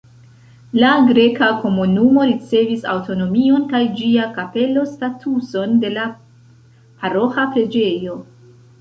La greka komunumo ricevis aŭtonomion kaj ĝia kapelo statuson de la paroĥa preĝejo.